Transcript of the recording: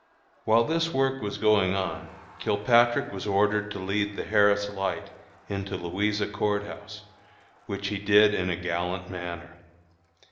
While this work was going on, Kilpatrick was ordered to lead the Harris Light into Louisa Court House, which he did in a gallant manner.